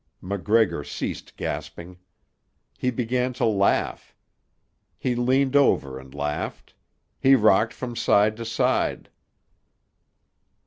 MacGregor ceased gasping. He began to laugh. He leaned over and laughed. He rocked from side to side.